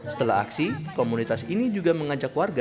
setelah aksi komunitas ini juga mengajak warga